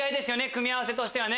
組み合わせとしてはね。